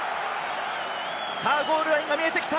さあゴールラインが見えてきた。